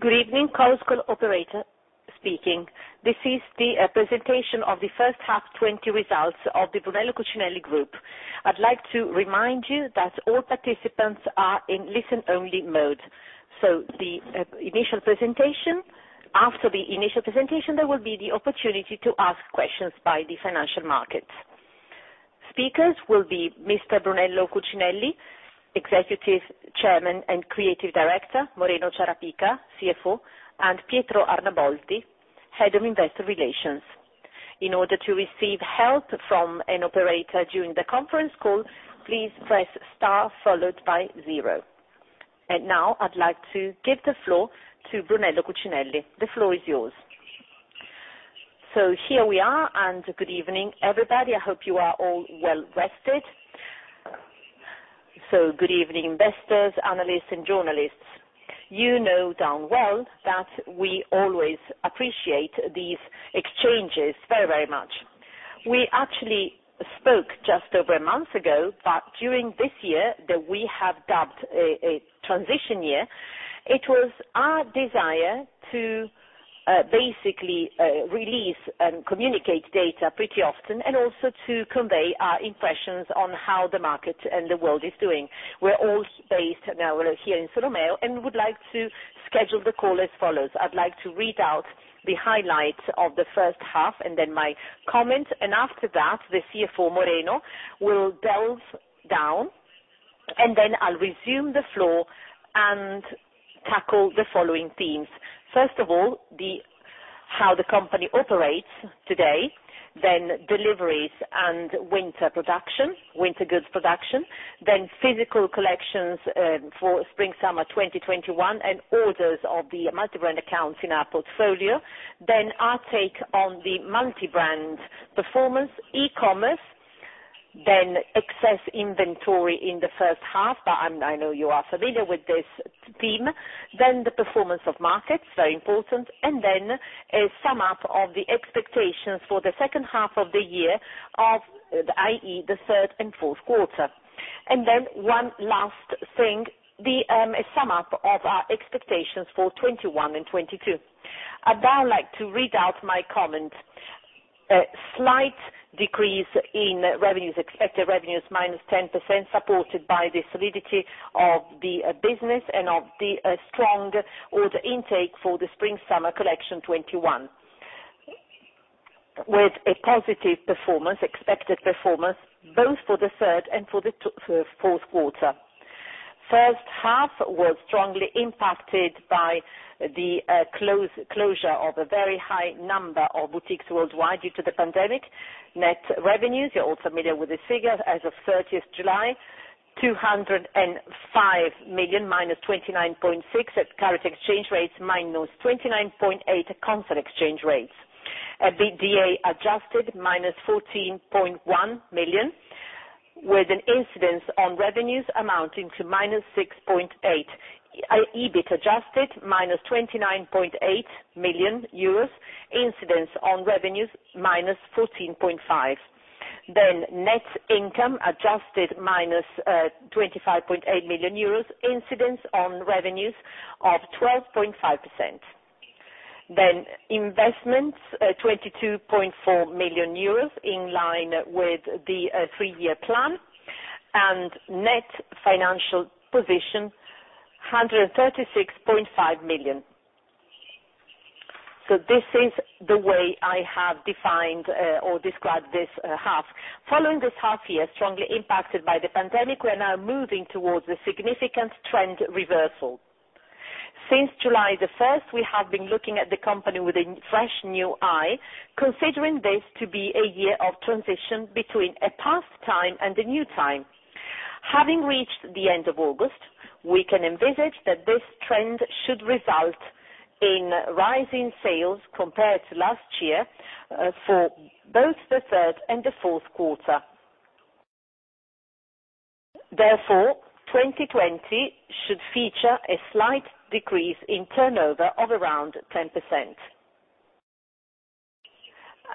Good ev ning, Chorus Call operator speaking. This is the presentation of the first half 2020 results of the Brunello Cucinelli Group. I'd like to remind you that all participants are in listen-only mode. After the initial presentation, there will be the opportunity to ask questions by the financial markets. Speakers will be Mr. Brunello Cucinelli, Executive Chairman and Creative Director, Moreno Ciarapica, CFO, and Pietro Arnaboldi, Head of Investor Relations. In order to receive help from an operator during the conference call, please press star followed by zero. Now I'd like to give the floor to Brunello Cucinelli. The floor is yours. Here we are, good evening, everybody. I hope you are all well rested. Good evening, investors, analysts, and journalists. You know darn well that we always appreciate these exchanges very, very much. We actually spoke just over a month ago. During this year that we have dubbed a transition year, it was our desire to basically release and communicate data pretty often and also to convey our impressions on how the market and the world is doing. We're all based now here in Solomeo. We would like to schedule the call as follows. I'd like to read out the highlights of the first half and then my comment. After that, the CFO, Moreno, will delve down. I'll resume the floor and tackle the following themes. First of all, how the company operates today, then deliveries and winter goods production, then physical collections for spring/summer 2021, and orders of the multi-brand accounts in our portfolio. Our take on the multi-brand performance, e-commerce, then excess inventory in the first half, I know you are familiar with this theme. The performance of markets, very important, a sum-up of the expectations for the second half of the year, i.e., the third and fourth quarter. One last thing, a sum-up of our expectations for 2021 and 2022. I'd now like to read out my comment. A slight decrease in revenues, expected revenues minus 10%, supported by the solidity of the business and of the strong order intake for the spring/summer collection 2021. With a positive performance, expected performance, both for the third and for the fourth quarter. First half was strongly impacted by the closure of a very high number of boutiques worldwide due to the pandemic. Net revenues, you're all familiar with this figure, as of 30th July, 205 million -29.6 at current exchange rates, -29.8 at constant exchange rates. EBITDA adjusted -14.1 million, with an incidence on revenues amounting to -6.8%. EBIT adjusted EUR -29.8 million. Incidence on revenues, -14.5%. Net income adjusted -25.8 million euros. Incidence on revenues of 12.5%. Investments, 22.4 million euros, in line with the three-year plan, and net financial position, 136.5 million. This is the way I have defined or described this half. Following this half year, strongly impacted by the pandemic, we are now moving towards a significant trend reversal. Since July 1st, we have been looking at the company with a fresh new eye, considering this to be a year of transition between a past time and a new time. Having reached the end of August, we can envisage that this trend should result in rising sales compared to last year, for both the 3rd and 4th quarter. Therefore, 2020 should feature a slight decrease in turnover of around 10%.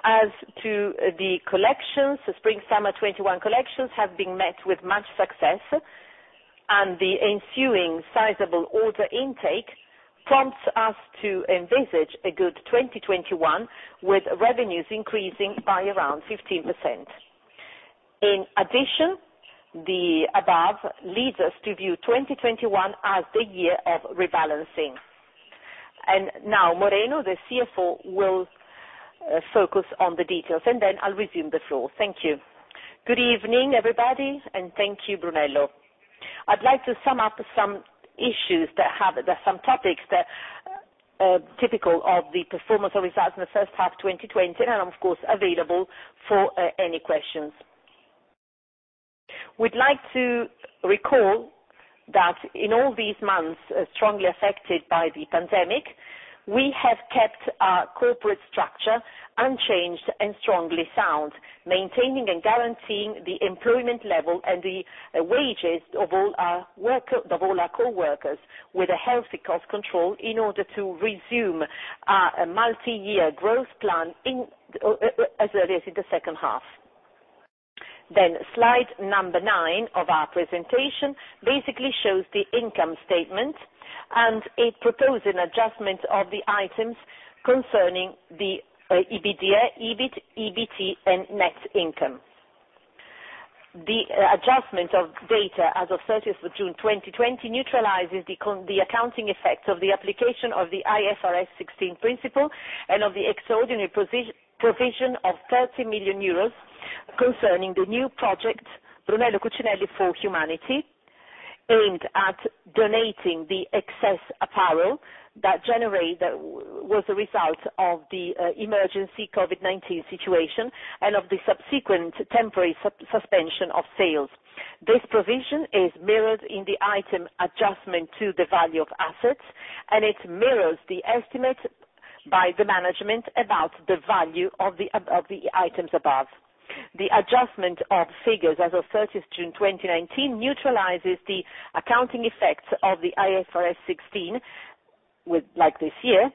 As to the collections, the spring/summer 2021 collections have been met with much success, and the ensuing sizable order intake prompts us to envisage a good 2021, with revenues increasing by around 15%. In addition, the above leads us to view 2021 as the year of rebalancing. Moreno, the CFO, will focus on the details, and then I'll resume the floor. Thank you. Good evening, everybody, and thank you, Brunello. I'd like to sum up some issues that have some topics that are typical of the performance of results in the first half 2020, and I'm of course available for any questions. We'd like to recall that in all these months, strongly affected by the pandemic, we have kept our corporate structure unchanged and strongly sound, maintaining and guaranteeing the employment level and the wages of all our coworkers with a healthy cost control in order to resume our multi-year growth plan as early as in the second half. Slide number nine of our presentation basically shows the income statement, and it proposes an adjustment of the items concerning the EBITDA, EBIT, EBT and net income. The adjustment of data as of 30th of June 2020 neutralizes the accounting effects of the application of the IFRS 16 principle and of the extraordinary provision of 30 million euros concerning the new project, Brunello Cucinelli for Humanity, aimed at donating the excess apparel that was a result of the emergency COVID-19 situation and of the subsequent temporary suspension of sales. This provision is mirrored in the item adjustment to the value of assets, and it mirrors the estimate by the management about the value of the of the items above. The adjustment of figures as of 30th June 2019 neutralizes the accounting effects of the IFRS 16 with, like this year,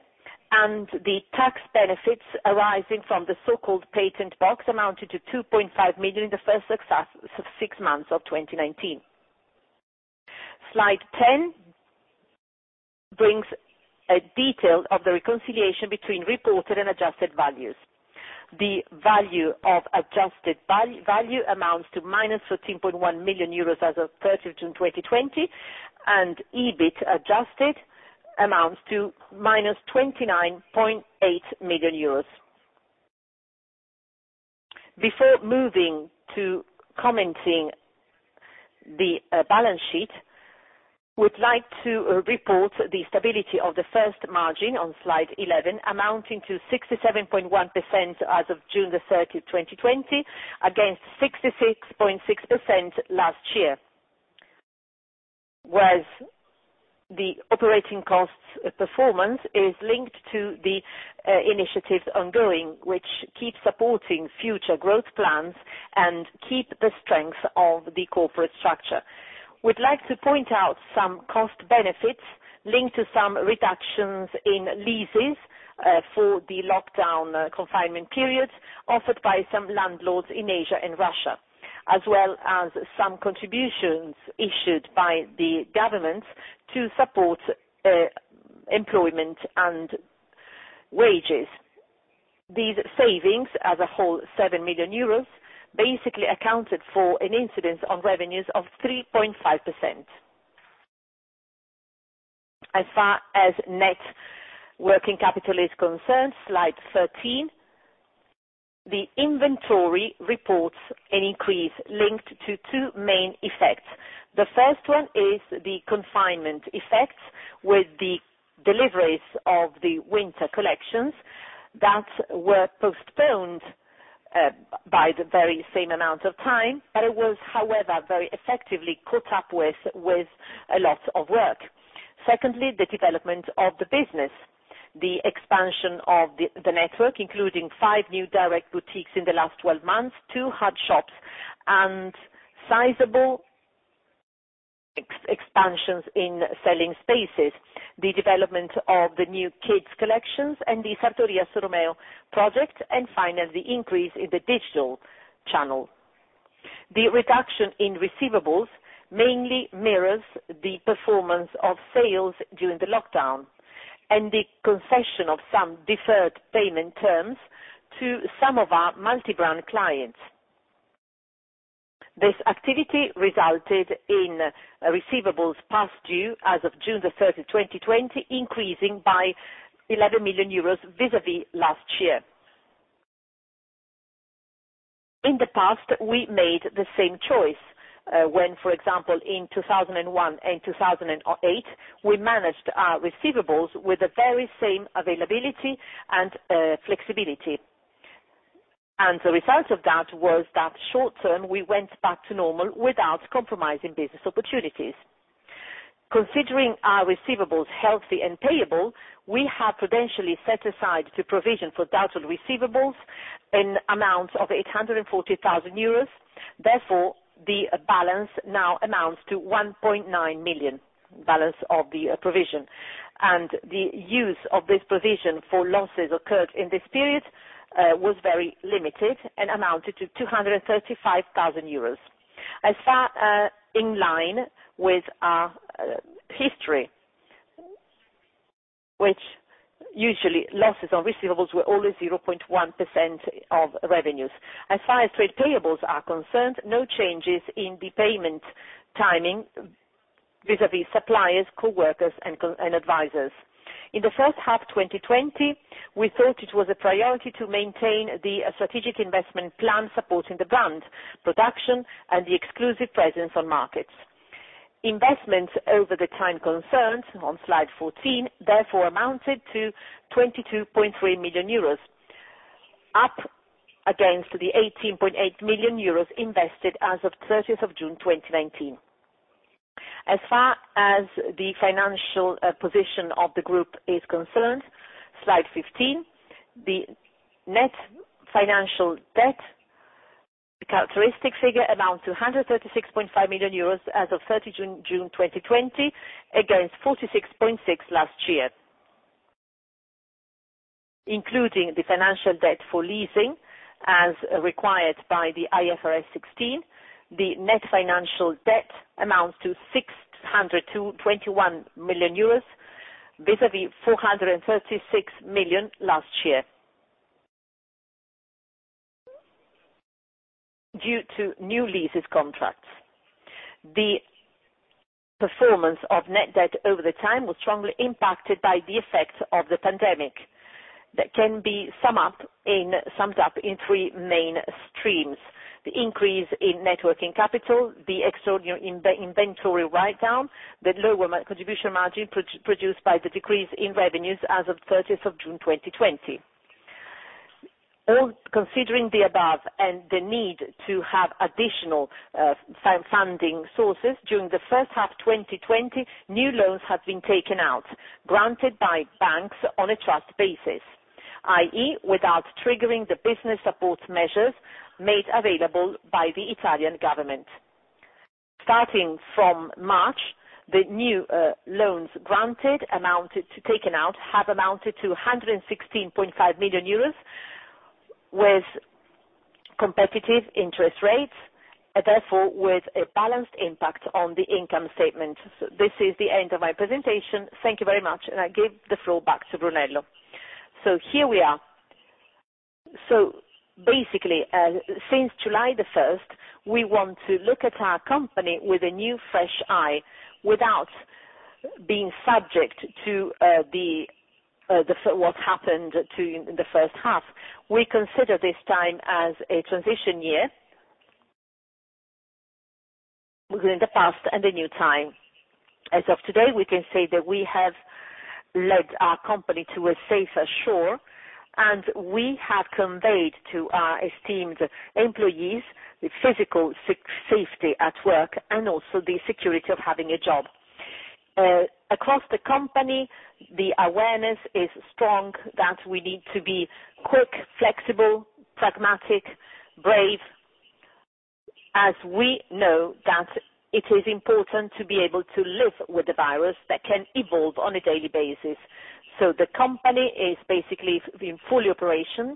and the tax benefits arising from the so-called patent box amounted to 2.5 million in the first 6 months of 2019. Slide 10 brings a detail of the reconciliation between reported and adjusted values. The value of adjusted value amounts to minus 13.1 million euros as of June 30, 2020, and EBIT adjusted amounts to minus 29.8 million euros. Before moving to commenting the balance sheet, we'd like to report the stability of the first margin on slide 11, amounting to 67.1% as of June 30, 2020, against 66.6% last year. Whereas the operating costs performance is linked to the initiatives ongoing, which keep supporting future growth plans and keep the strength of the corporate structure. We'd like to point out some cost benefits linked to some reductions in leases for the lockdown confinement periods offered by some landlords in Asia and Russia, as well as some contributions issued by the government to support employment and wages. These savings, as a whole 7 million euros, basically accounted for an incidence on revenues of 3.5%. As far as net working capital is concerned, slide 13, the inventory reports an increase linked to two main effects. The first one is the confinement effects with the deliveries of the winter collections that were postponed by the very same amount of time, but it was, however, very effectively caught up with a lot of work. Secondly, the development of the business. The expansion of the network, including five new direct boutiques in the last 12 months, two hard shops and sizable expansions in selling spaces, the development of the new Kids Collections and the Sartoria Solomeo project, and finally, the increase in the digital channel. The reduction in receivables mainly mirrors the performance of sales during the lockdown and the concession of some deferred payment terms to some of our multi-brand clients. This activity resulted in receivables past due as of June 30, 2020, increasing by 11 million euros vis-a-vis last year. In the past, we made the same choice, when, for example, in 2001 and 2008, we managed our receivables with the very same availability and flexibility. The result of that was that short-term, we went back to normal without compromising business opportunities. Considering our receivables healthy and payable, we have prudentially set aside to provision for doubtful receivables an amount of 840,000 euros. The balance now amounts to 1.9 million balance of the provision. The use of this provision for losses occurred in this period was very limited and amounted to 235,000 euros. In line with our history, which usually losses on receivables were only 0.1% of revenues. As far as trade payables are concerned, no changes in the payment timing vis-a-vis suppliers, coworkers and advisors. In the first half 2020, we thought it was a priority to maintain the strategic investment plan supporting the brand, production and the exclusive presence on markets. Investments over the time concerned, on slide 14, therefore amounted to 22.3 million euros, up against the 18.8 million euros invested as of June 30, 2019. As far as the financial position of the group is concerned, slide 15, the net financial debt, the characteristic figure amounts to 136.5 million euros as of June 30, 2020 against 46.6 million last year. Including the financial debt for leasing as required by the IFRS 16, the net financial debt amounts to 621 million euros vis-a-vis 436 million last year. Due to new leases contracts. The performance of net debt over the time was strongly impacted by the effects of the pandemic. That can be summed up in three main streams. The increase in net working capital, the extraordinary inventory write-down, the lower contribution margin produced by the decrease in revenues as of 30th of June 2020. All considering the above and the need to have additional funding sources during the first half 2020, new loans have been taken out, granted by banks on a trust basis, i.e., without triggering the business support measures made available by the Italian government. Starting from March, the new loans taken out have amounted to 116.5 million euros with competitive interest rates, and therefore with a balanced impact on the income statement. This is the end of my presentation. Thank you very much. I give the floor back to Brunello. Here we are. Basically, since July the 1st, we want to look at our company with a new fresh eye without being subject to what happened in the 1st half. We consider this time as a transition year. Between the past and the new time. As of today, we can say that we have led our company to a safer shore, and we have conveyed to our esteemed employees the physical safety at work and also the security of having a job. Across the company, the awareness is strong that we need to be quick, flexible, pragmatic, brave, as we know that it is important to be able to live with the virus that can evolve on a daily basis. The company is basically fully operational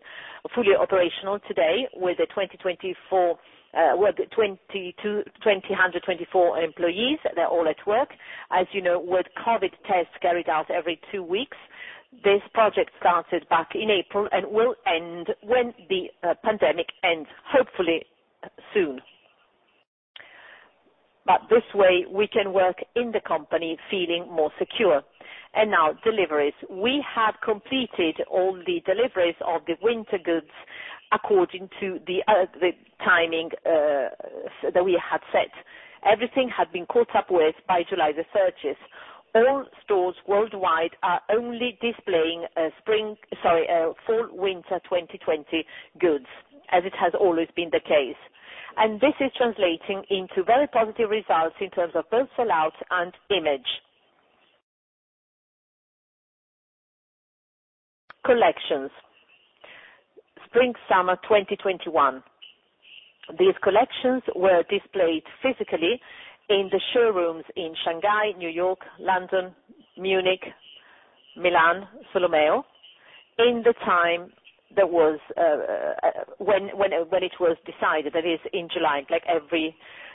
today with 2,024 employees. They're all at work. As you know, with COVID tests carried out every two weeks. This project started back in April and will end when the pandemic ends, hopefully soon. This way, we can work in the company feeling more secure. Now deliveries. We have completed all the deliveries of the winter goods according to the timing that we had set. Everything had been caught up with by July 30th. All stores worldwide are only displaying spring, sorry, fall/winter 2020 goods, as it has always been the case. This is translating into very positive results in terms of both sell-out and image. Collections. Spring/summer 2021. These collections were displayed physically in the showrooms in Shanghai, N.Y., London, Munich, Milan, Solomeo, in the time there was when it was decided, that is in July, like every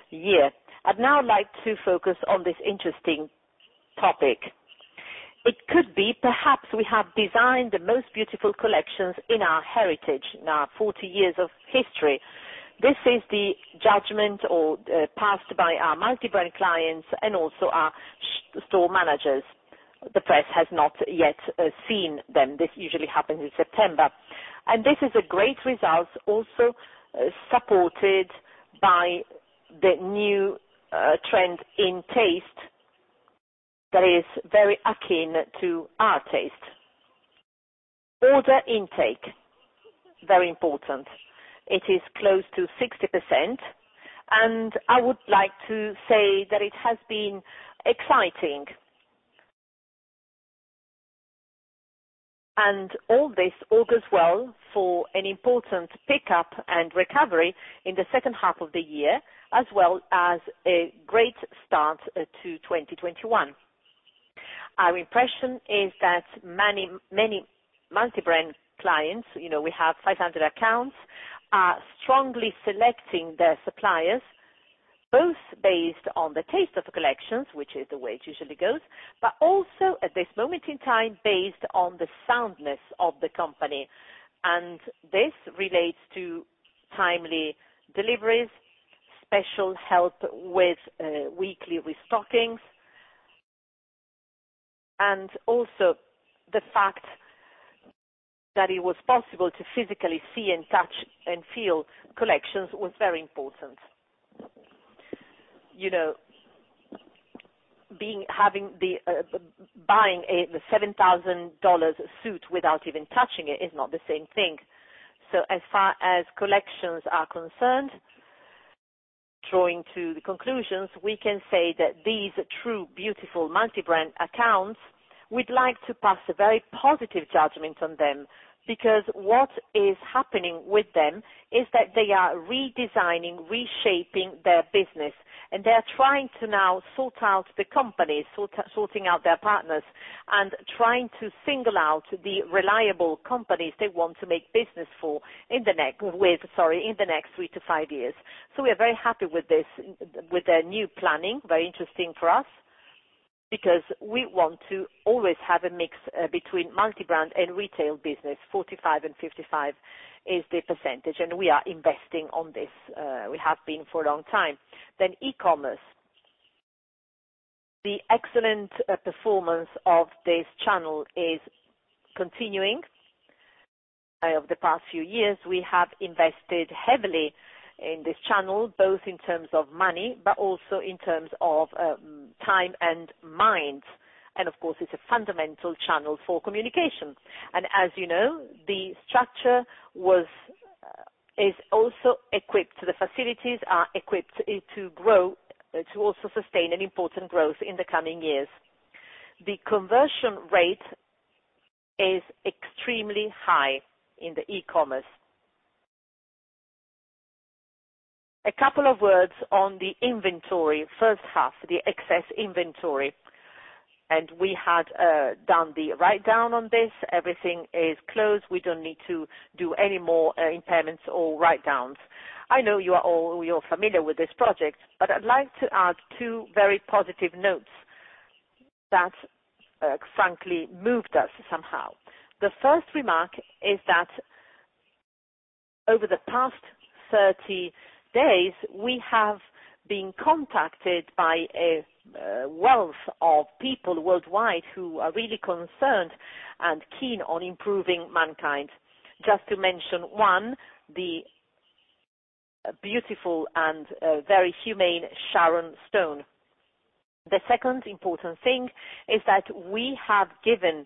year. I'd now like to focus on this interesting topic. It could be perhaps we have designed the most beautiful collections in our heritage, in our 40 years of history. This is the judgment or passed by our multi-brand clients and also our store managers. The press has not yet seen them. This usually happens in September. This is a great result also supported by the new trend in taste that is very akin to our taste. Order intake, very important. It is close to 60%, and I would like to say that it has been exciting. All this augurs well for an important pickup and recovery in the second half of the year, as well as a great start to 2021. Our impression is that many, many multi-brand clients, you know, we have 500 accounts, are strongly selecting their suppliers, both based on the taste of the collections, which is the way it usually goes, but also at this moment in time, based on the soundness of the company. This relates to timely deliveries, special help with weekly restocking. Also the fact that it was possible to physically see and touch and feel collections was very important. You know, having the $7,000 suit without even touching it is not the same thing. As far as collections are concerned. Drawing to the conclusions, we can say that these true beautiful multi-brand accounts, we'd like to pass a very positive judgment on them, because what is happening with them is that they are redesigning, reshaping their business, and they are trying to now sort out the companies, sorting out their partners and trying to single out the reliable companies they want to make business for in the next three to five years. We are very happy with this, with their new planning. Very interesting for us because we want to always have a mix between multi-brand and retail business. 45 and 55 is the percentage, and we are investing on this. We have been for a long time. e-commerce. The excellent performance of this channel is continuing. Over the past few years, we have invested heavily in this channel, both in terms of money, but also in terms of time and minds. Of course, it's a fundamental channel for communication. As you know, the structure was also equipped, the facilities are equipped to grow, to also sustain an important growth in the coming years. The conversion rate is extremely high in the e-commerce. A couple of words on the inventory. First half, the excess inventory, and we had done the write-down on this. Everything is closed. We don't need to do any more impairments or write-downs. I know you're familiar with this project, but I'd like to add two very positive notes that frankly moved us somehow. The first remark is that over the past 30 days, we have been contacted by a wealth of people worldwide who are really concerned and keen on improving mankind. Just to mention one, the beautiful and very humane Sharon Stone. The second important thing is that we have given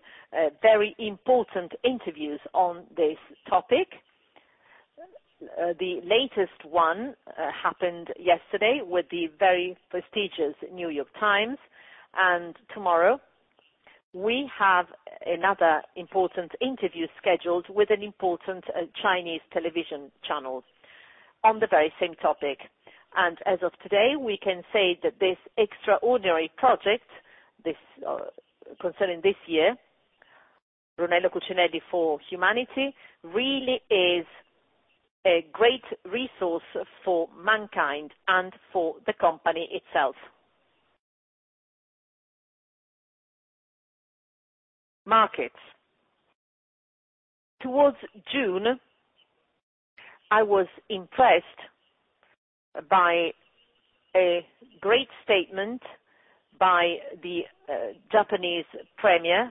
very important interviews on this topic. The latest one happened yesterday with The New York Times, and tomorrow we have another important interview scheduled with an important Chinese television channel on the very same topic. As of today, we can say that this extraordinary project, this concerning this year, Brunello Cucinelli for Humanity, really is a great resource for mankind and for the company itself. Markets. Towards June, I was impressed by a great statement by the Japanese premier,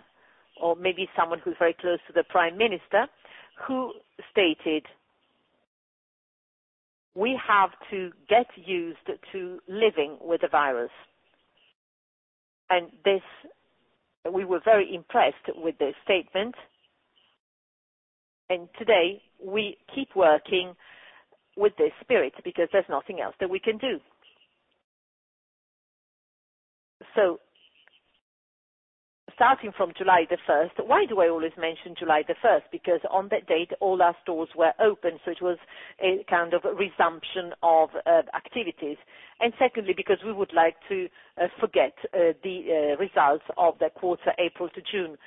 or maybe someone who's very close to the prime minister, who stated, "We have to get used to living with the virus." We were very impressed with this statement. Today, we keep working with this spirit because there's nothing else that we can do. Starting from July the first Why do I always mention July the first? Because on that date, all our stores were open, so it was a kind of resumption of activities. Secondly, because we would like to forget the results of the quarter April to June.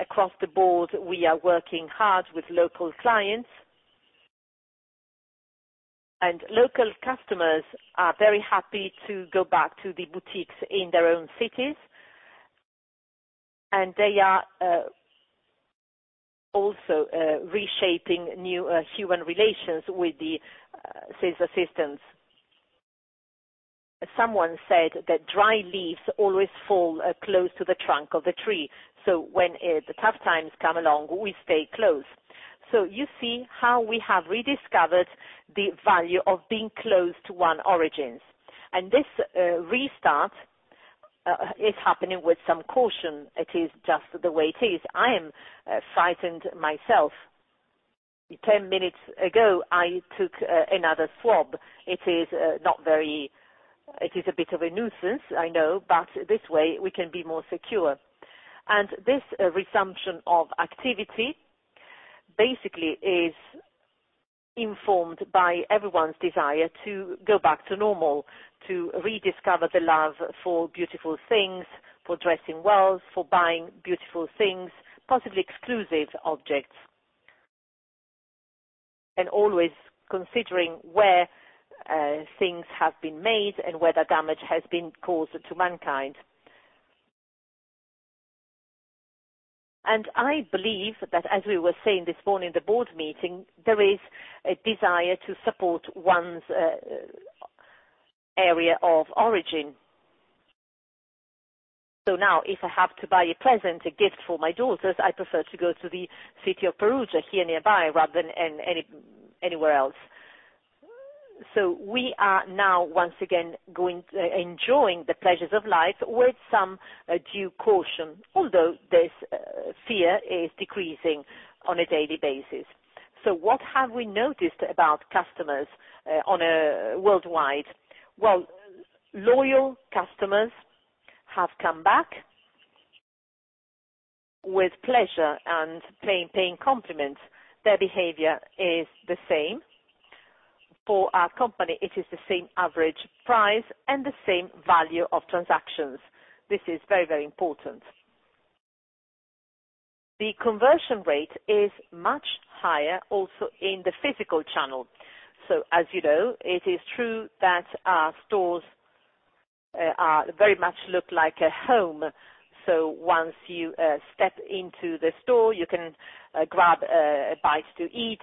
Across the board, we are working hard with local clients. Local customers are very happy to go back to the boutiques in their own cities, and they are also reshaping new human relations with the sales assistants. Someone said that dry leaves always fall close to the trunk of the tree, so when the tough times come along, we stay close. You see how we have rediscovered the value of being close to one origins. This restart is happening with some caution. It is just the way it is. I am frightened myself. 10 minutes ago, I took another swab. It is a bit of a nuisance, I know, but this way we can be more secure. This resumption of activity basically is informed by everyone's desire to go back to normal, to rediscover the love for beautiful things, for dressing well, for buying beautiful things, possibly exclusive objects. Always considering where things have been made and whether damage has been caused to mankind. I believe that, as we were saying this morning in the board meeting, there is a desire to support one's area of origin. Now, if I have to buy a present, a gift for my daughters, I prefer to go to the city of Perugia, here nearby, rather than anywhere else. We are now once again enjoying the pleasures of life with some due caution, although this fear is decreasing on a daily basis. What have we noticed about customers on a worldwide? Loyal customers have come back with pleasure and paying compliments. Their behavior is the same. For our company, it is the same average price and the same value of transactions. This is very, very important. The conversion rate is much higher also in the physical channel. As you know, it is true that our stores are very much look like a home. Once you step into the store, you can grab a bite to eat,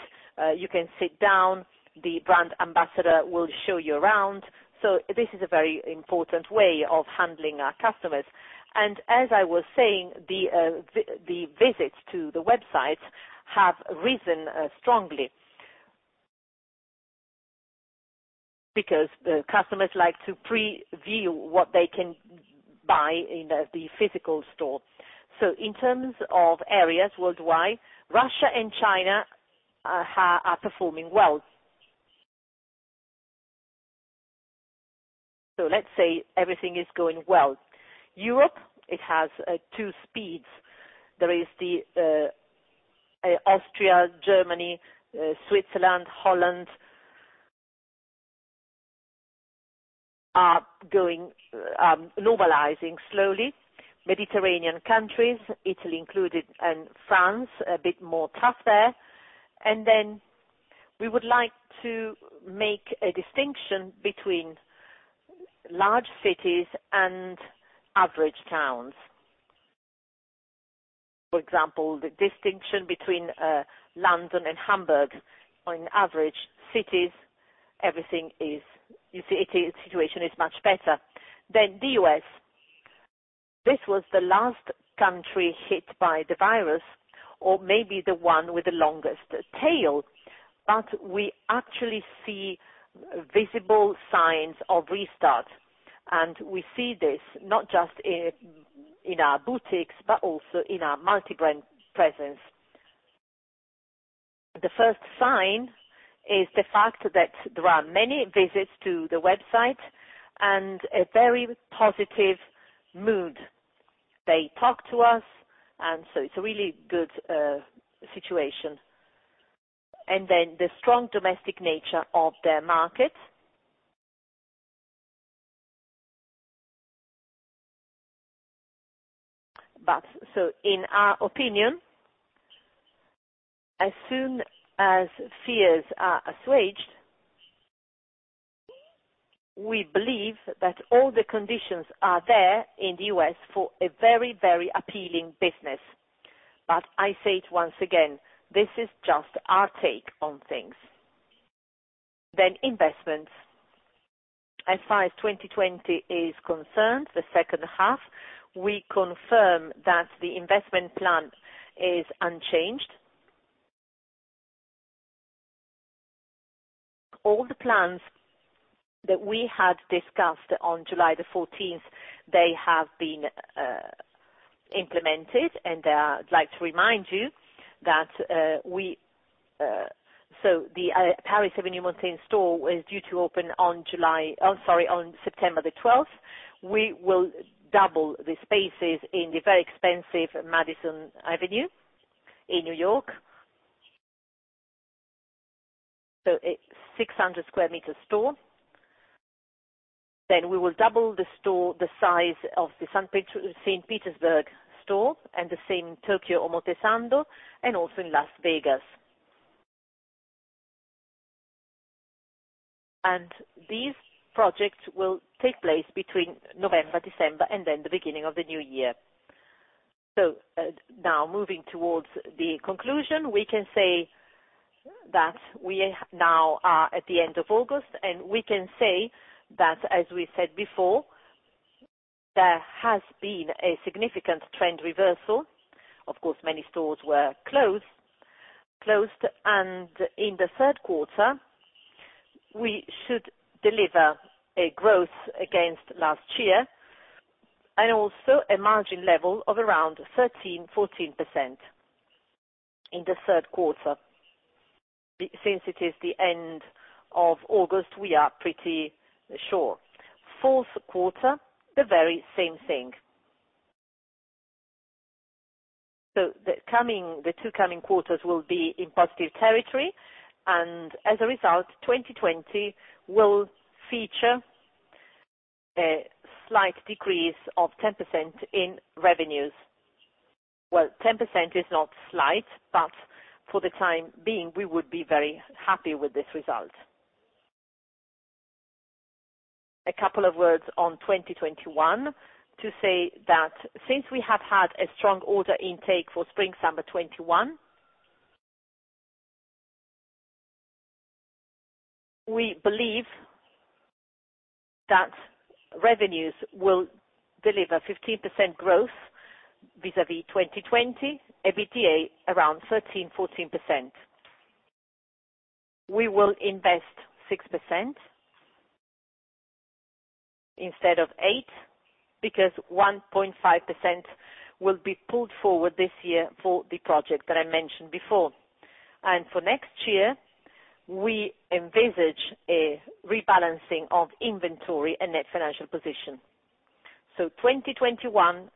you can sit down, the brand ambassador will show you around. This is a very important way of handling our customers. As I was saying, the visits to the websites have risen strongly. Because the customers like to preview what they can buy in the physical store. In terms of areas worldwide, Russia and China are performing well. Let's say everything is going well. Europe, it has two speeds. There is the Austria, Germany, Switzerland, Holland, going globalizing slowly. Mediterranean countries, Italy included, and France, a bit more tough there. Then we would like to make a distinction between large cities and average towns. For example, the distinction between London and Hamburg. On average cities, everything is You see, situation is much better. The U.S., this was the last country hit by the virus or maybe the one with the longest tail. We actually see visible signs of restart. We see this not just in our boutiques, but also in our multi-brand presence. The first sign is the fact that there are many visits to the website and a very positive mood. They talk to us, it's a really good situation. In our opinion, as soon as fears are assuaged, we believe that all the conditions are there in the U.S. for a very, very appealing business. I say it once again, this is just our take on things. Investments. As far as 2020 is concerned, the second half, we confirm that the investment plan is unchanged. All the plans that we had discussed on July the 14th, they have been implemented, and I'd like to remind you that we, So the Paris Avenue Montaigne store is due to open on September the 12th. We will double the spaces in the very expensive Madison Avenue in New York. A 600 square meter store. We will double the store, the size of the St. Petersburg store, and the same Tokyo, Omotesando, and also in Las Vegas. These projects will take place between November, December, and the beginning of the new year. Now moving towards the conclusion, we can say that we are now at the end of August, as we said before, there has been a significant trend reversal. Of course, many stores were closed. In the third quarter, we should deliver a growth against last year and also a margin level of around 13%-14% in the third quarter. Since it is the end of August, we are pretty sure. Fourth quarter, the very same thing. The two coming quarters will be in positive territory, and as a result, 2020 will feature a slight decrease of 10% in revenues. Well, 10% is not slight, but for the time being, we would be very happy with this result. A couple of words on 2021 to say that since we have had a strong order intake for spring summer 2021, we believe that revenues will deliver 15% growth vis-a-vis 2020, EBITDA around 13%-14%. We will invest 6% instead of 8 because 1.5% will be pulled forward this year for the project that I mentioned before. For next year, we envisage a rebalancing of inventory and net financial position. 2021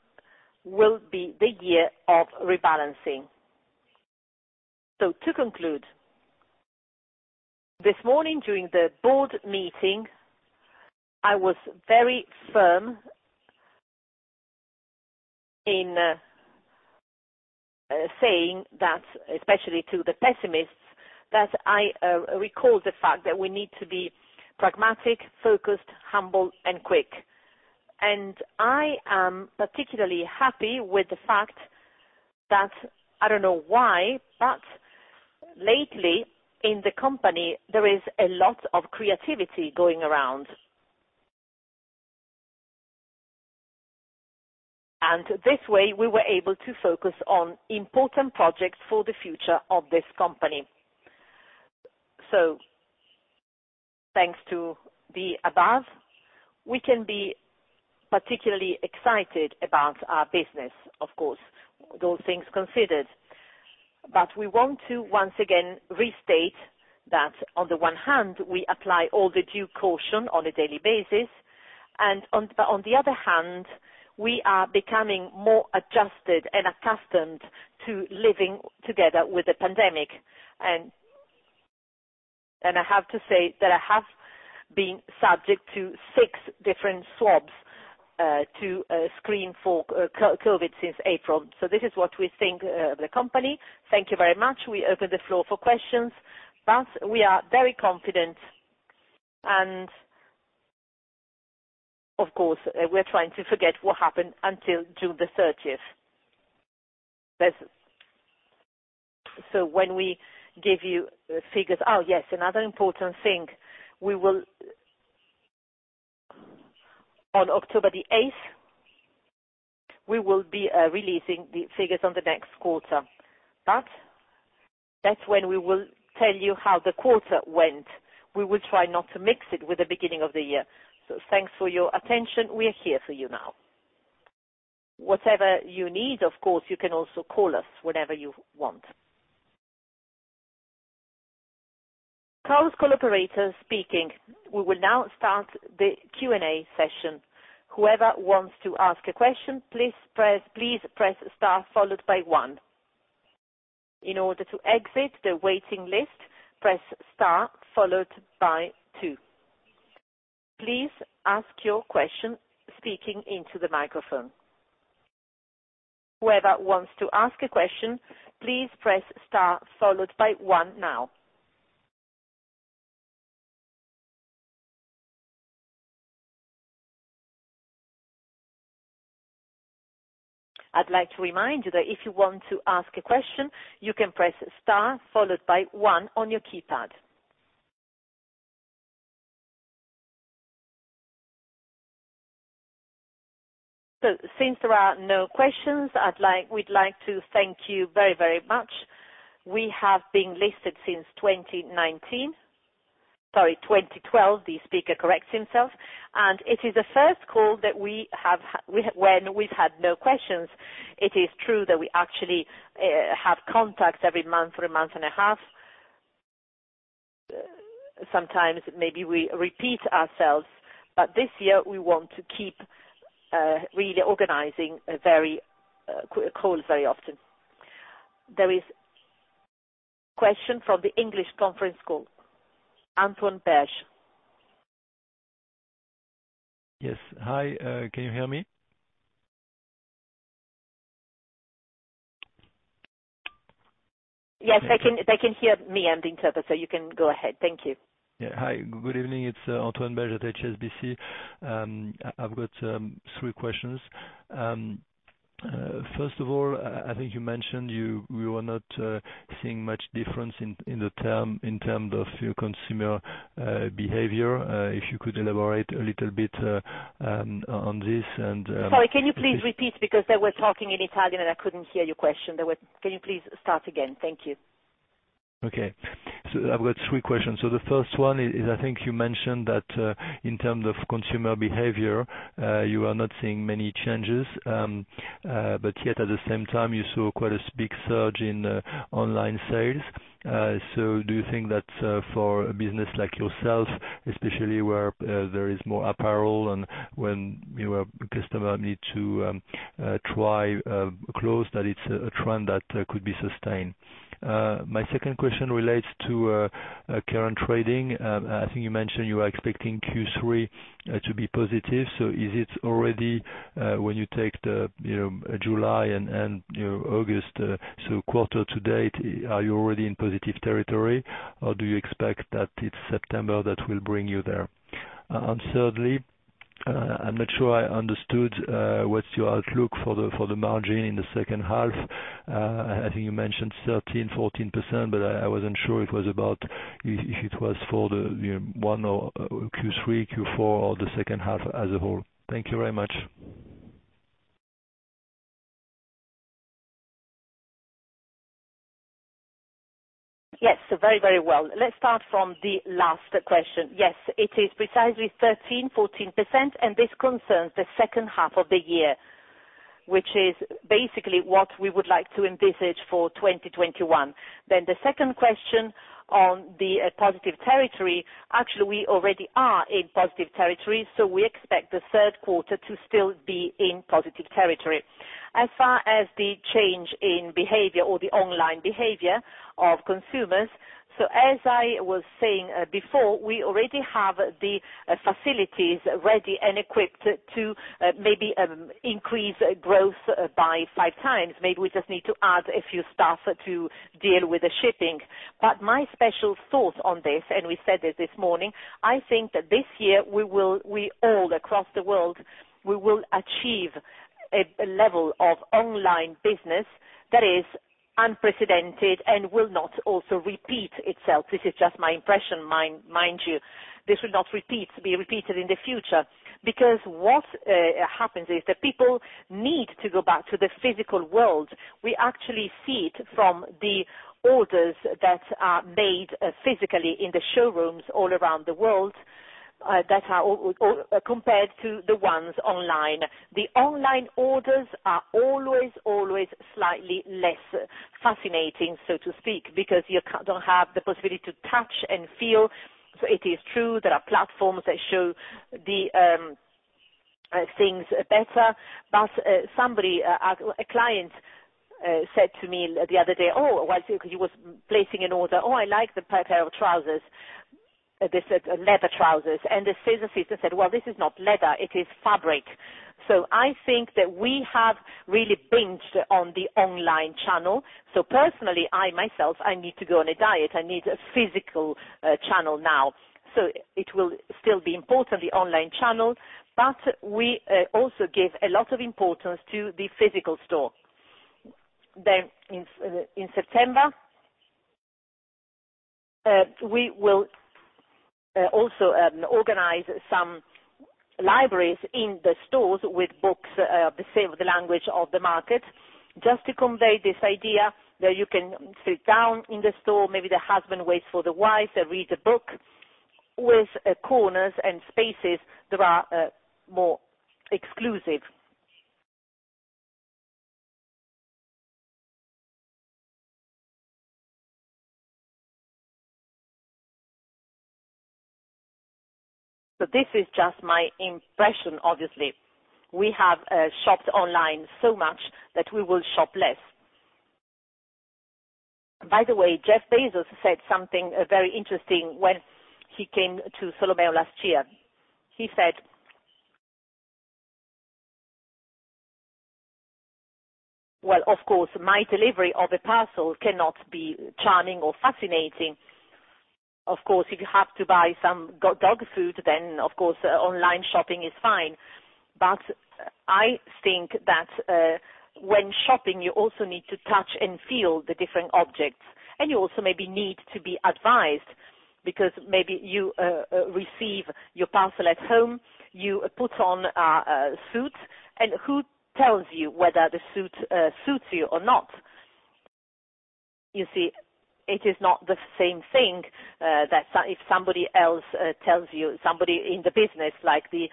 will be the year of rebalancing. To conclude, this morning during the board meeting, I was very firm in saying that, especially to the pessimists, that I recall the fact that we need to be pragmatic, focused, humble, and quick. I am particularly happy with the fact that I don't know why, but lately in the company, there is a lot of creativity going around. This way, we were able to focus on important projects for the future of this company. Thanks to the above, we can be particularly excited about our business, of course, those things considered. We want to once again restate that on the one hand, we apply all the due caution on a daily basis, but on the other hand, we are becoming more adjusted and accustomed to living together with the pandemic. I have to say that I have been subject to six different swabs to screen for COVID-19 since April. This is what we think of the company. Thank you very much. We open the floor for questions. We are very confident, and of course, we're trying to forget what happened until June the 30th. That's. When we give you figures. Oh, yes, another important thing. We will On October the 8th, we will be releasing the figures on the next quarter. That's when we will tell you how the quarter went. We will try not to mix it with the beginning of the year. Thanks for your attention. We are here for you now. Whatever you need, of course, you can also call us whenever you want. Since there are no questions, we'd like to thank you very much. We have been listed since 2019. Sorry, 2012. It is the first call that we've had no questions. It is true that we actually have contacts every month or a month and a half. Sometimes maybe we repeat ourselves. This year, we want to keep really organizing calls very often. There is question from the English conference call. Antoine Belge. Yes. Hi. Can you hear me? Yes, I can, they can hear me. I'm the interpreter. You can go ahead. Thank you. Yeah. Hi. Good evening. It's Antoine Belge at HSBC. I've got three questions. First of all, I think you mentioned you are not seeing much difference in term of your consumer behavior. If you could elaborate a little bit on this. Sorry, can you please repeat because they were talking in Italian, and I couldn't hear your question. Can you please start again? Thank you. I've got three questions. The first one is I think you mentioned that in term of consumer behavior, you are not seeing many changes. Yet at the same time, you saw quite a big surge in online sales. Do you think that for a business like yourself, especially where there is more apparel and when your customer need to try clothes that it's a trend that could be sustained. My second question relates to current trading. I think you mentioned you are expecting Q3 to be positive. Is it already, when you take the, you know, July and, you know, August, quarter to date, are you already in positive territory, or do you expect that it's September that will bring you there? Thirdly, I'm not sure I understood what's your outlook for the margin in the second half. I think you mentioned 13%, 14%, but I wasn't sure if it was for the, you know, one or Q3, Q4, or the second half as a whole. Thank you very much. Yes. Very well. Let's start from the last question. Yes, it is precisely 13%-14%, and this concerns the second half of the year, which is basically what we would like to envisage for 2021. The second question on the positive territory. Actually, we already are in positive territory, so we expect the third quarter to still be in positive territory. As far as the change in behavior or the online behavior of consumers, as I was saying before, we already have the facilities ready and equipped to maybe increase growth by five times. Maybe we just need to add a few staff to deal with the shipping. My special thoughts on this, and we said this this morning, I think that this year we will all across the world, we will achieve a level of online business that is unprecedented and will not also repeat itself. This is just my impression, mind you. This will not be repeated in the future. What happens is that people need to go back to the physical world. We actually see it from the orders that are made physically in the showrooms all around the world, that are all compared to the ones online. The online orders are always slightly less fascinating, so to speak, because you don't have the possibility to touch and feel. It is true there are platforms that show the things better. Somebody, a client said to me the other day, "Oh," while he was placing an order, "Oh, I like the pair of trousers." They said, leather trousers. The sales assistant said, "Well, this is not leather, it is fabric." I think that we have really binged on the online channel. Personally, I myself, I need to go on a diet. I need a physical channel now. It will still be important, the online channel, but we also give a lot of importance to the physical store. In September, we will also organize some libraries in the stores with books, the same, the language of the market, just to convey this idea that you can sit down in the store, maybe the husband waits for the wife, they read a book with corners and spaces that are more exclusive. This is just my impression, obviously. We have shopped online so much that we will shop less. By the way, Jeff Bezos said something very interesting when he came to Solomeo last year. He said Well, of course, my delivery of a parcel cannot be charming or fascinating. Of course, if you have to buy some dog food, of course, online shopping is fine. I think that, when shopping, you also need to touch and feel the different objects. You also maybe need to be advised, because maybe you receive your parcel at home, you put on a suit, and who tells you whether the suit suits you or not? You see, it is not the same thing that if somebody else tells you, somebody in the business, like the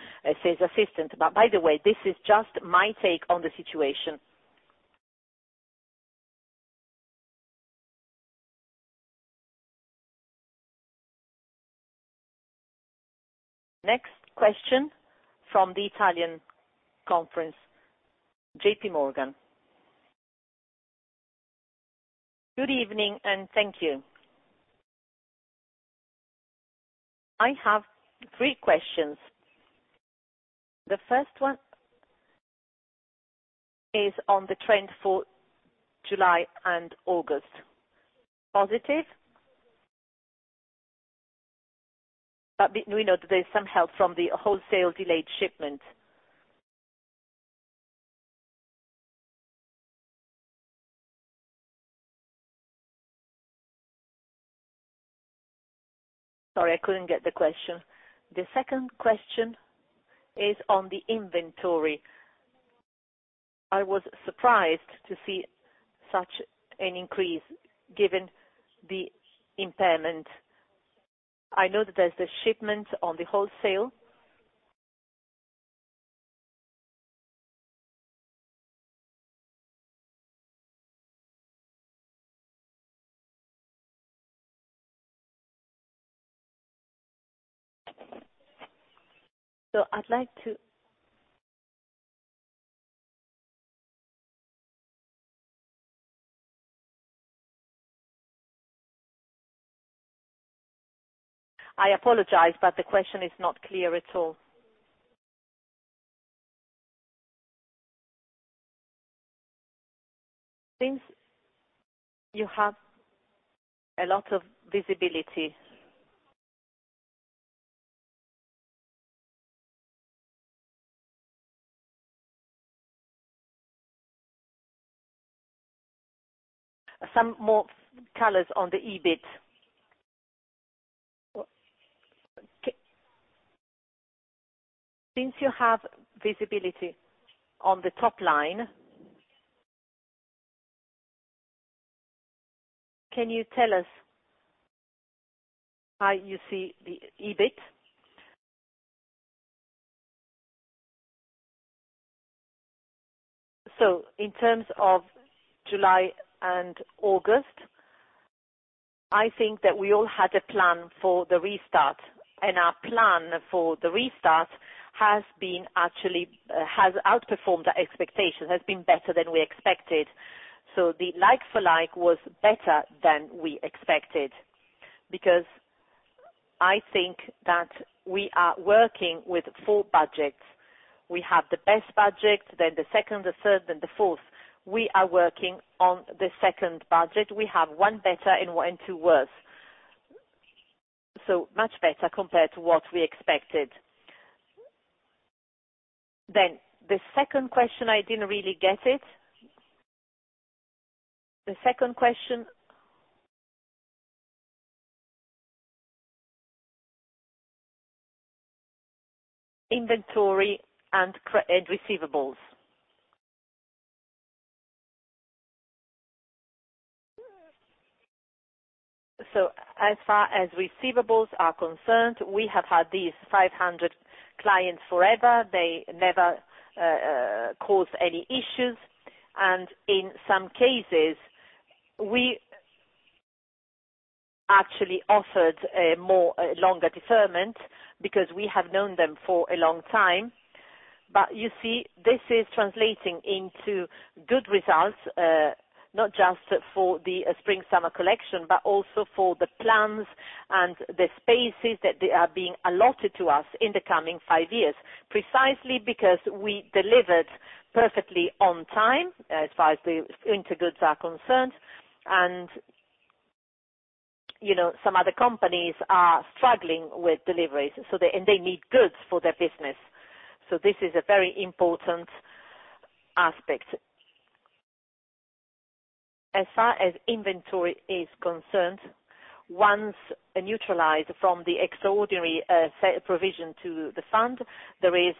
sales assistant. By the way, this is just my take on the situation. Next question from the Italian conference, JPMorgan. Good evening, and thank you. I have three questions. The first one is on the trend for July and August. Positive? We know that there's some help from the wholesale delayed shipment. Sorry, I couldn't get the question. The second question is on the inventory. I was surprised to see such an increase given the impairment. I know that there's the shipment on the wholesale. I apologize, but the question is not clear at all. Since you have a lot of visibility, some more colors on the EBIT. Since you have visibility on the top line, can you tell us how you see the EBIT? In terms of July and August, I think that we all had a plan for the restart, and our plan for the restart has actually outperformed our expectations, has been better than we expected. The like for like was better than we expected, because I think that we are working with four budgets. We have the best budget, then the second, the third, and the fourth. We are working on the second budget. We have one better and two worse. Much better compared to what we expected. The second question, I didn't really get it. The second question Inventory and receivables. As far as receivables are concerned, we have had these 500 clients forever. They never cause any issues. In some cases, we actually offered a more longer deferment because we have known them for a long time. You see, this is translating into good results, not just for the spring/summer collection, but also for the plans and the spaces that they are being allotted to us in the coming five years, precisely because we delivered perfectly on time, as far as the winter goods are concerned. You know, some other companies are struggling with deliveries, so they need goods for their business. This is a very important aspect. As far as inventory is concerned, once neutralized from the extraordinary provision to the fund, there is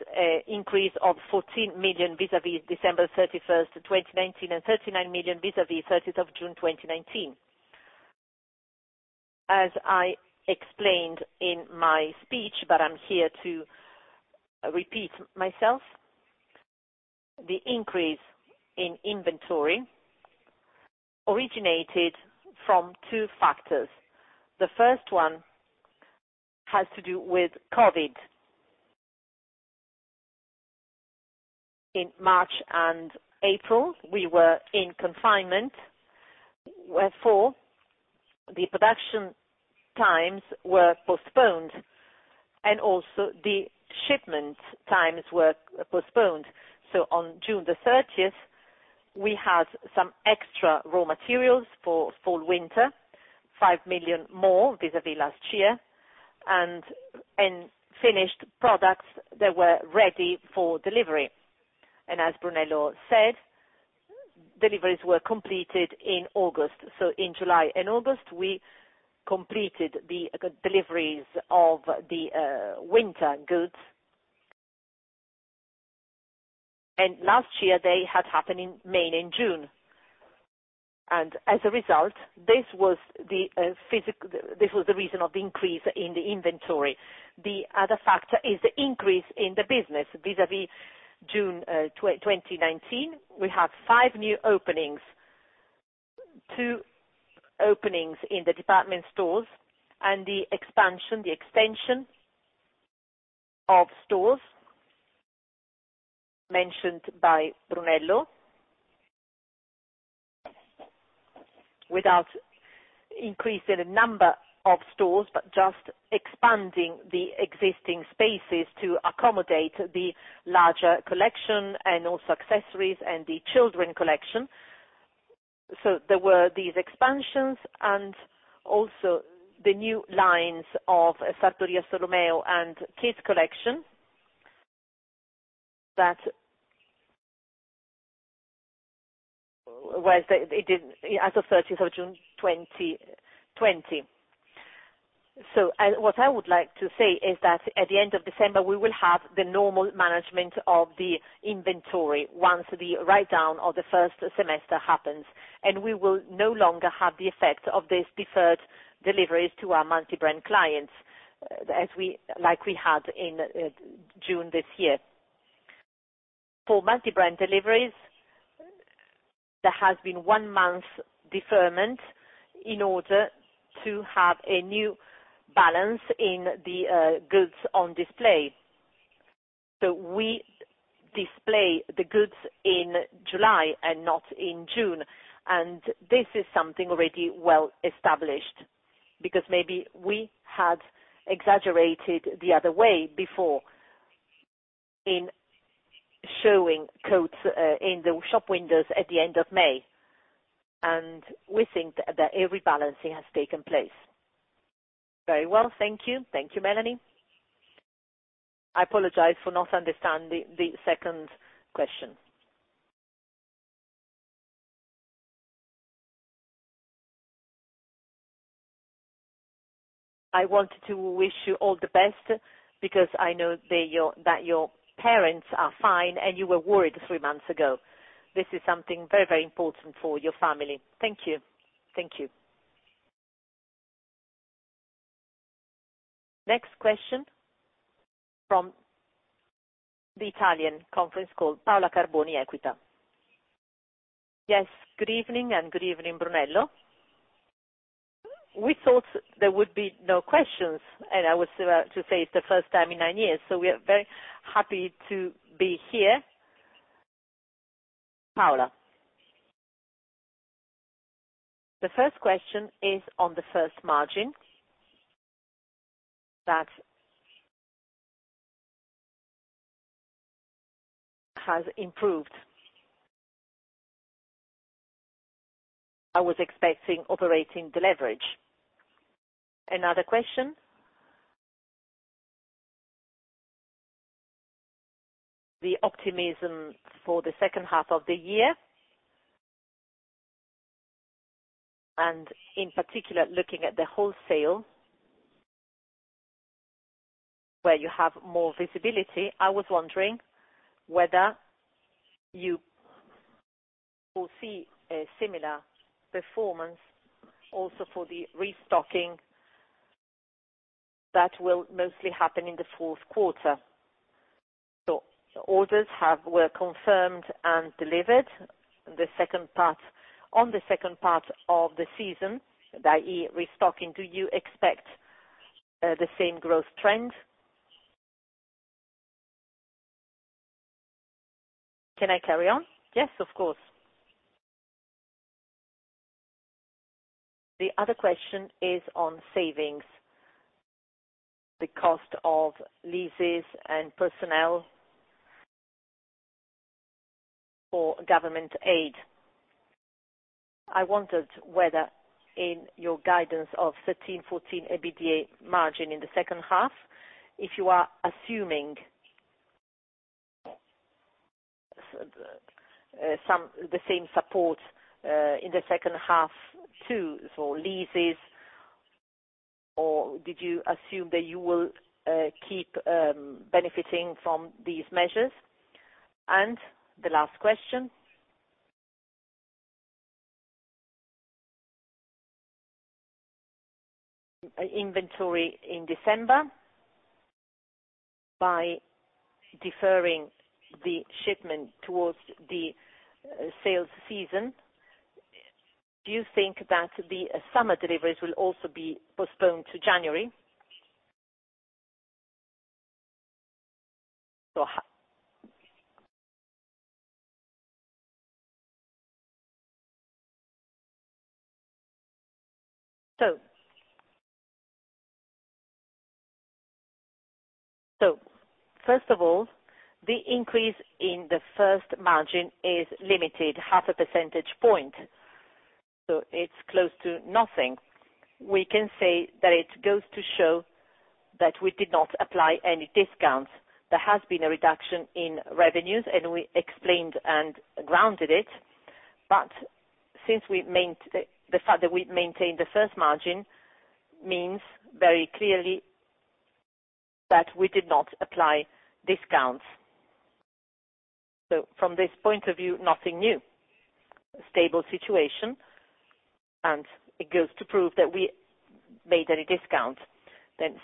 increase of 14 million vis-a-vis December 31, 2019, and 39 million vis-a-vis June 30, 2019. As I explained in my speech, but I'm here to repeat myself, the increase in inventory originated from two factors. The first one has to do with COVID. In March and April, we were in confinement, wherefore the production times were postponed, and also the shipment times were postponed. On June 30, we had some extra raw materials for fall/winter, 5 million more vis-a-vis last year, and finished products that were ready for delivery. As Brunello said, deliveries were completed in August. In July and August, we completed the deliveries of the winter goods. Last year, they had happened in May and June. As a result, this was the reason of the increase in the inventory. The other factor is the increase in the business vis-a-vis June 2019. We have five new openings. Two openings in the department stores and the expansion, the extension of stores mentioned by Brunello. Without increasing the number of stores, but just expanding the existing spaces to accommodate the larger collection and also accessories and the Kids Collection. There were these expansions and also the new lines of Sartoria Solomeo and Kids Collection that was it didn't as of thirtieth of June, 2020. What I would like to say is that at the end of December, we will have the normal management of the inventory once the write-down of the first semester happens, and we will no longer have the effect of these deferred deliveries to our multi-brand clients, as we, like we had in June this year. For multi-brand deliveries, there has been 1 month deferment in order to have a new balance in the goods on display. We display the goods in July and not in June, and this is something already well established, because maybe we had exaggerated the other way before in showing coats in the shop windows at the end of May. We think that a rebalancing has taken place. Very well. Thank you. Thank you, Melanie. I apologize for not understanding the second question. I wanted to wish you all the best because I know that your parents are fine and you were worried three months ago. This is something very important for your family. Thank you. Thank you. Next question from the Italian conference call, Paola Carboni, Equita. Yes. Good evening and good evening, Brunello. We thought there would be no questions, and I was about to say it's the first time in nine years. We are very happy to be here. Paola. The first question is on the first margin that has improved. I was expecting operating leverage. Another question. The optimism for the second half of the year. In particular, looking at the wholesale, where you have more visibility, I was wondering whether you foresee a similar performance also for the restocking that will mostly happen in the fourth quarter. Orders were confirmed and delivered on the second part of the season, that is, restocking. Do you expect the same growth trend? Can I carry on? Yes, of course. The other question is on savings. The cost of leases and personnel for government aid. I wondered whether in your guidance of 13%-14% EBITDA margin in the second half, if you are assuming the same support in the second half, too, for leases, or did you assume that you will keep benefiting from these measures? The last question. Inventory in December by deferring the shipment towards the sales season, do you think that the summer deliveries will also be postponed to January? First of all, the increase in the first margin is limited half a percentage point, it's close to nothing. We can say that it goes to show that we did not apply any discounts. There has been a reduction in revenues, and we explained and grounded it. Since the fact that we maintained the first margin means very clearly that we did not apply discounts. From this point of view, nothing new. A stable situation, and it goes to prove that we made any discount.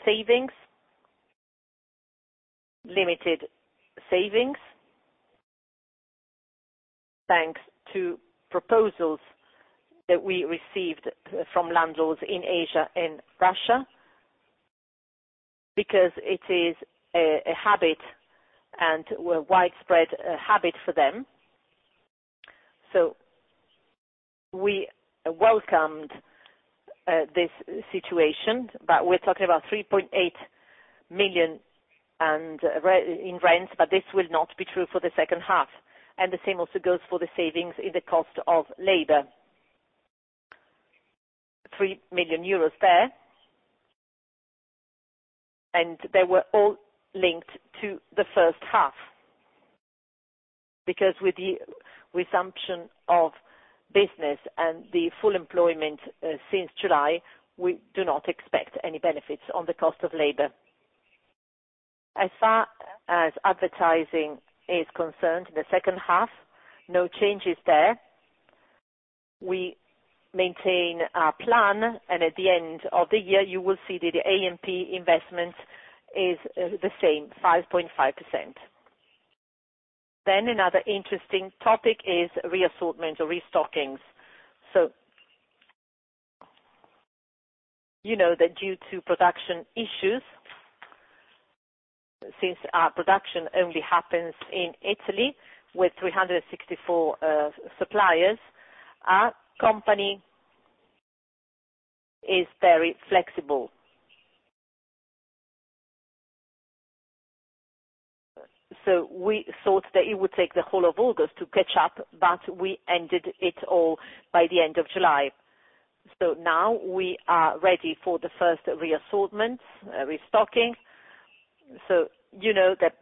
Savings. Limited savings, thanks to proposals that we received from landlords in Asia and Russia because it is a habit and a widespread habit for them. We welcomed this situation, but we're talking about 3.8 million in rents, but this will not be true for the second half. The same also goes for the savings in the cost of labor. 3 million euros there. They were all linked to the first half. Because with the resumption of business and the full employment since July, we do not expect any benefits on the cost of labor. As far as advertising is concerned, the second half, no changes there. We maintain our plan, and at the end of the year, you will see that the A&P investment is the same, 5.5%. Another interesting topic is reassortment or restocking. You know that due to production issues, since our production only happens in Italy with 364 suppliers, our company is very flexible. We thought that it would take the whole of August to catch up, but we ended it all by the end of July. Now we are ready for the first reassortment, restocking. You know that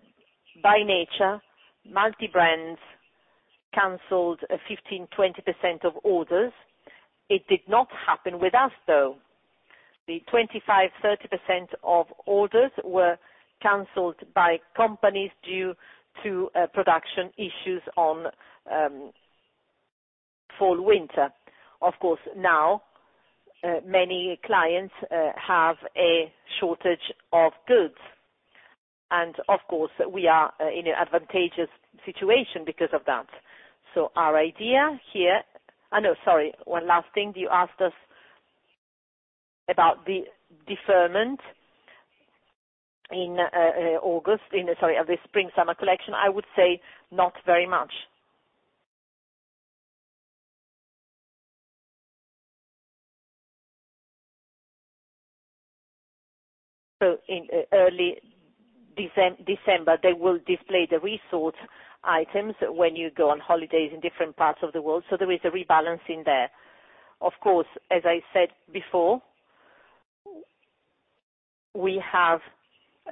by nature, multi-brands canceled a 15%, 20% of orders. It did not happen with us, though. The 25%, 30% of orders were canceled by companies due to production issues on fall/winter. Of course, now, many clients have a shortage of goods. Of course, we are in an advantageous situation because of that. Our idea here. No, sorry, one last thing. You asked us about the deferment in August, of the spring/summer collection. I would say not very much. In early December, they will display the resort items when you go on holidays in different parts of the world, so there is a rebalancing there. As I said before, we have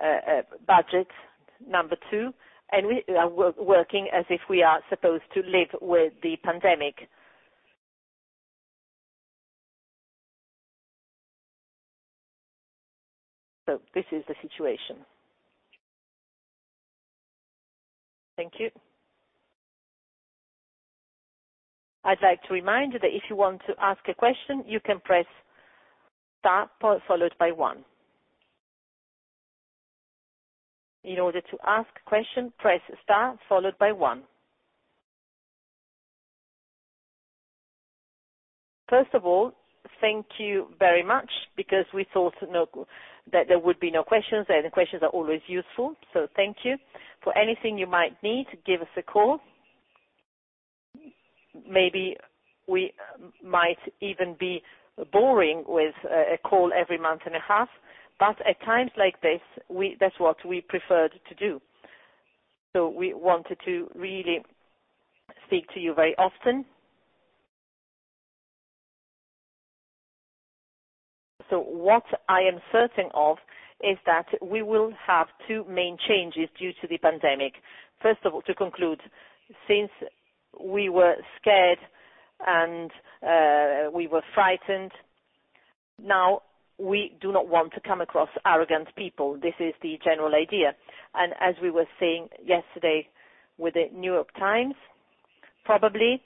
a budget number two, and we are working as if we are supposed to live with the pandemic. This is the situation. Thank you. Thank you very much because we thought no that there would be no questions, and the questions are always useful, so thank you. For anything you might need, give us a call. Maybe we might even be boring with a call every month and a half. At times like this, that's what we preferred to do. We wanted to really speak to you very often. What I am certain of is that we will have two main changes due to the pandemic. First of all, to conclude, since we were scared and we were frightened, now we do not want to come across arrogant people. This is the general idea. As we were saying yesterday with The New York Times, probably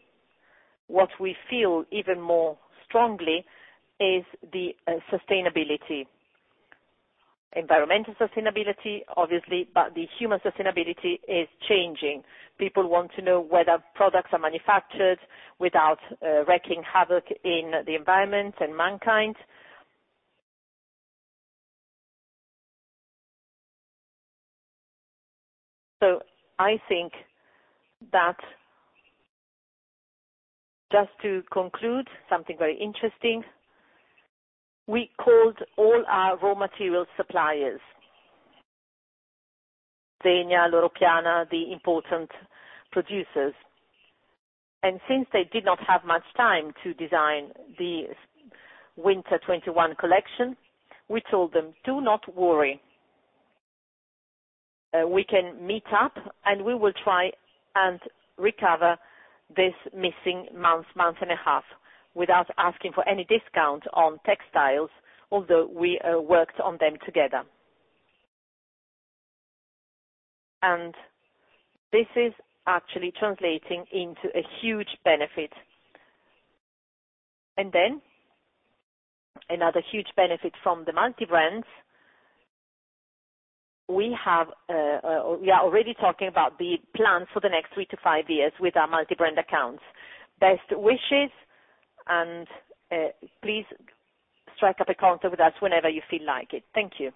what we feel even more strongly is the sustainability. Environmental sustainability, obviously, but the human sustainability is changing. People want to know whether products are manufactured without wreaking havoc in the environment and mankind. I think that just to conclude something very interesting, we called all our raw material suppliers. Zegna, Loro Piana, the important producers. Since they did not have much time to design the Winter 2021 collection, we told them, "Do not worry. We can meet up, and we will try and recover this missing month, month and a half, without asking for any discount on textiles, although we worked on them together." This is actually translating into a huge benefit. Then another huge benefit from the multi-brands, we have, we are already talking about the plans for the next three to five years with our multi-brand accounts. Best wishes, please strike up a conversation with us whenever you feel like it. Thank you.